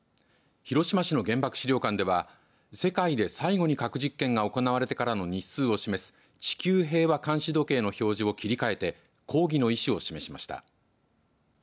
広島市の原爆資料館では世界で最後に核実験が行われてからの日数を示す地球平和監視時計の表示を切り替えて抗議の意志を示しました。